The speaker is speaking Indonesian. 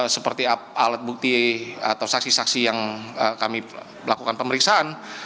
seperti alat bukti atau saksi saksi yang kami lakukan pemeriksaan